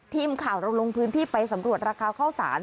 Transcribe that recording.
ทีมข่าวเราลงพื้นที่ไปสำรวจราคาข้าวสาร